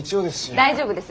大丈夫です。